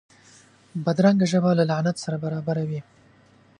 بدرنګه ژبه له لعنت سره برابره وي